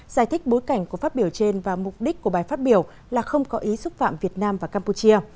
giải thích bối cảnh của phát biểu trên và mục đích của bài phát biểu là không có ý xúc phạm việt nam và campuchia